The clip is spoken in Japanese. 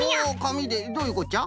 どういうこっちゃ？